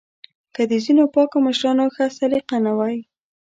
که د ځینو پاکو مشرانو ښه سلیقه نه وای